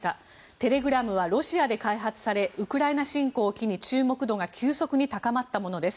テレグラムはロシアで開発されウクライナ侵攻を機に注目度が急速に高まったものです。